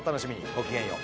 ごきげんよう。